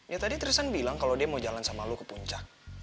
ya tadi trisan bilang kalau dia mau jalan sama lo ke puncak